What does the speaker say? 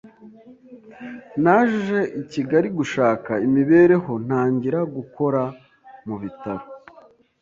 naje I Kigali gushaka imibereho ntangira gukora mu bitaro